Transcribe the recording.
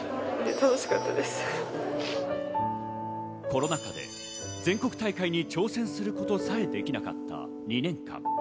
コロナ禍で全国大会に挑戦することさえできなかった２年間。